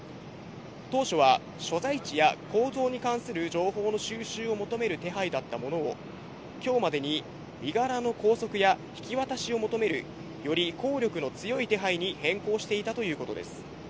当初は、所在地や行動に関する情報の収集を求める手配だったものを、きょうまでに身柄の拘束や引き渡しを求める、より効力の強い手配に変更していたということです。